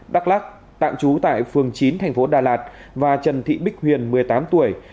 đắk lắc tạm trú tại phường chín tp đà lạt và trần thị bích huyền một mươi tám tuổi